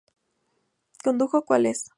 Condujo "¿Cuál es?